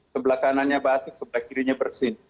sebelah kanannya batik sebelah kirinya bersin